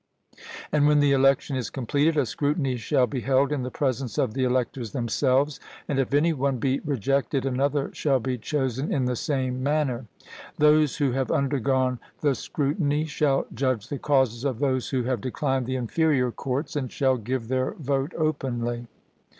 And when the election is completed, a scrutiny shall be held in the presence of the electors themselves, and if any one be rejected another shall be chosen in the same manner. Those who have undergone the scrutiny shall judge the causes of those who have declined the inferior courts, and shall give their vote openly.